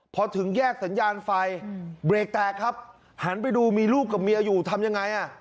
พอถึงแยกสัญญาณไฟเบรกแตกครับหันไปดูมีลูกกับเมียอยู่ทำยังไงอ่ะ